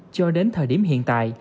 cho đến thời điểm hiện tại